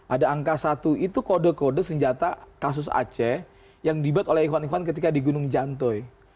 ada angka satu itu kode kode senjata kasus aceh yang dibuat oleh ikhwan ikhwan ketika di gunung jantoy